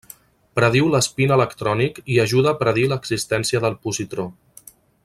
Prediu l'espín electrònic i ajuda a predir l'existència del positró.